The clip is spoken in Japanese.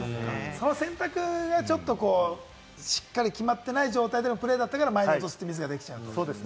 その選択はちょっと決まってない状態でのプレーだったから前に落とすっていうミスが出ちゃうと。